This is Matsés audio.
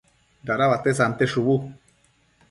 dada uate sante shubu